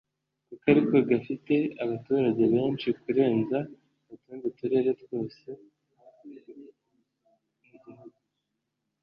kuko ariko gafite abaturage benshi kurenza utundi turere twose two mu gihugu